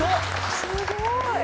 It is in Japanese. すごい！